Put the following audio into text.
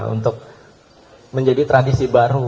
untuk menjadi tradisi baru